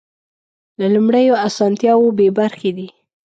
له لومړیو اسانتیاوو بې برخې دي.